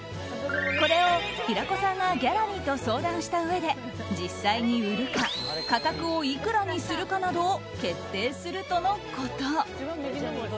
これを平子さんがギャラリーと相談したうえで実際に売るか価格をいくらにするかなどを決定するとのこと。